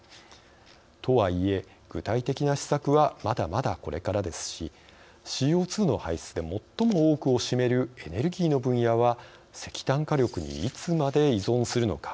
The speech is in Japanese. とはいえ、具体的な施策はまだまだこれからですしＣＯ２の排出で最も多くを占めるエネルギーの分野は石炭火力にいつまで依存するのか。